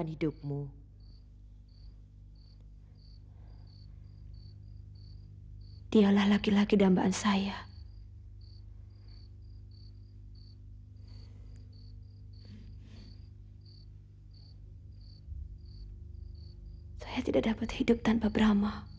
atie afiq tanpa petanya atau pandingan alami